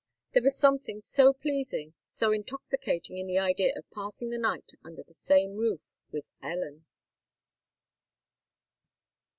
There was something so pleasing—so intoxicating in the idea of passing the night under the same roof with Ellen!